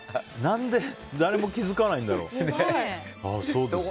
何で誰も気づかないんだろう。